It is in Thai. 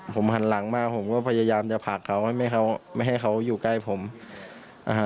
ผมหันหลังมาผมก็พยายามจะผลักเขาให้ไม่เขาไม่ให้เขาอยู่ใกล้ผมนะฮะ